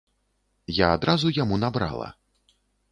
Я адразу яму набрала.